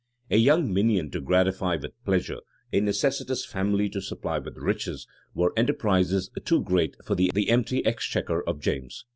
} A young minion to gratify with pleasure, a necessitous family to supply with riches, were enterprises too great for the empty exchequer of James.